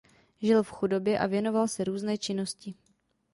Žil v chudobě a věnoval se různé činnosti.